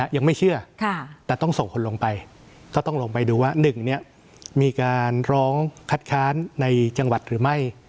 ยังไม่เชื่อแต่ต้องส่งคนลงไปก็ต้องลงไปดูว่า๑มีการร้องคัดค้านในจังหวัดหรือไม่